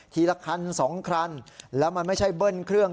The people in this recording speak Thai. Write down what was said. ละคันสองคันแล้วมันไม่ใช่เบิ้ลเครื่อง